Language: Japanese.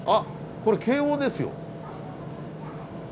これ京王ですよ。